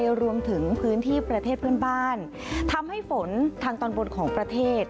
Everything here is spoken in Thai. รวมถึงพื้นที่ประเทศเพื่อนบ้านทำให้ฝนทางตอนบนของประเทศ